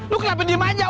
lo kenapa dimanja